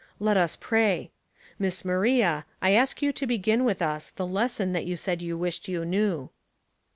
Let us pray. Miss Maria, I ask you to begin with us the lesson that you said you wished you knew."